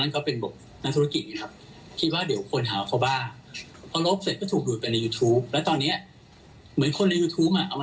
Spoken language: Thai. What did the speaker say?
ขอบคุณครับ